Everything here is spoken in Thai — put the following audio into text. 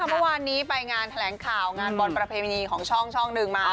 เมื่อวานนี้ไปงานแถลงข่าวงานบอลประเพณีของช่องหนึ่งมา